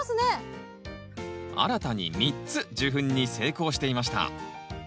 新たに３つ受粉に成功していました。